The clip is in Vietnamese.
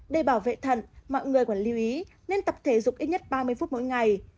để bảo vệ thận mọi người còn lưu ý nên tập thể dục ít nhất ba mươi phút mỗi ngày